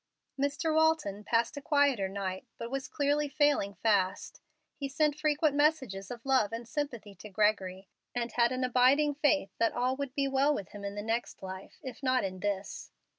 Mr. Walton passed a quieter night, but was clearly failing fast. He sent frequent messages of love and sympathy to Gregory, and had an abiding faith that all would be well with him in the next life, if not in this.